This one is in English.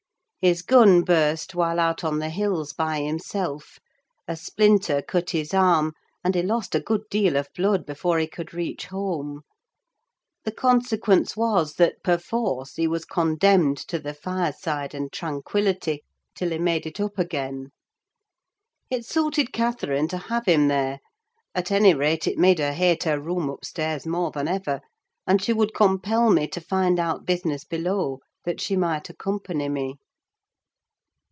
His gun burst while out on the hills by himself; a splinter cut his arm, and he lost a good deal of blood before he could reach home. The consequence was that, perforce, he was condemned to the fireside and tranquillity, till he made it up again. It suited Catherine to have him there: at any rate, it made her hate her room upstairs more than ever: and she would compel me to find out business below, that she might accompany me.